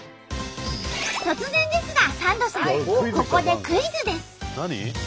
突然ですがサンドさん！ここでクイズです！